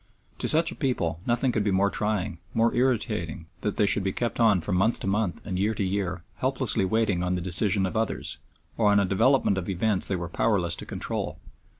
To such a people nothing could be more trying, more irritating than that they should be kept on from month to month and year to year helplessly waiting on the decision of others, or on a development of events they were powerless to control.